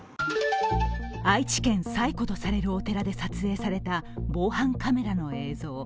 愛知県最古とされるお寺で撮影された防犯カメラの映像。